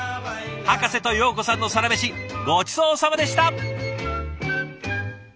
ハカセとヨーコさんのサラメシごちそうさまでした！